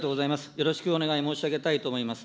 よろしくお願い申し上げたいと思います。